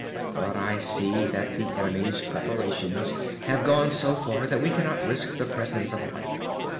But I see that the enemy's preparations have gone so far that we cannot risk the presence of a light.